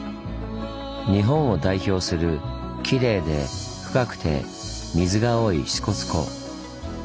日本を代表するきれいで深くて水が多い支笏湖。